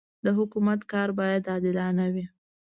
د حکومت کار باید عادلانه وي.